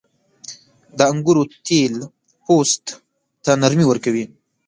• د انګورو تېل پوست ته نرمي ورکوي.